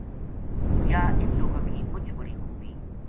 یاہ اِنھ لوکاں کی مُچ بڑی خُوبی